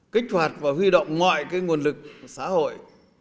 kích hoạt và huy động ngoại cái nguồn lực xã hội